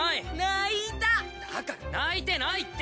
だから泣いてないって！